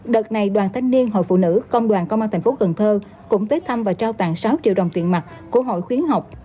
đợt này đoàn thanh niên hội phụ nữ công đoàn công an tp cần thơ cũng tới thăm và trao tặng sáu triệu đồng tiền mặt của hội khuyến học